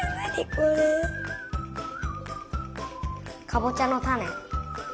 かぼちゃのたね。